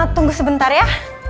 tunggu sebentar ya